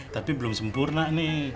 tapi belum sempurna nih